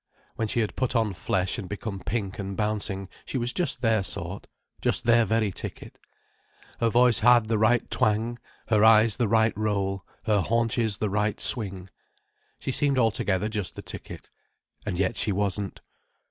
When she had put on flesh and become pink and bouncing she was just their sort: just their very ticket. Her voice had the right twang, her eyes the right roll, her haunches the right swing. She seemed altogether just the ticket. And yet she wasn't.